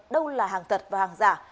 đâu là hàng thật và hàng giả